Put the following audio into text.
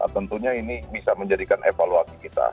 tentunya ini bisa menjadikan evaluasi kita